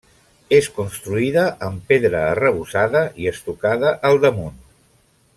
És construïda en pedra, arrebossada i estocada al damunt.